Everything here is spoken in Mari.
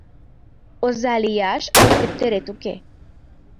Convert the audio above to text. Оза лияш але тептерет уке.